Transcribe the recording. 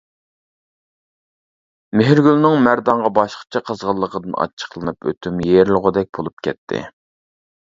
مېھرىگۈلنىڭ مەردانغا باشقىچە قىزغىنلىقىدىن ئاچچىقلىنىپ ئۆتۈم يېرىلغۇدەك بولۇپ كەتتى.